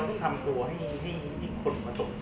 ต้องทำตัวให้ติด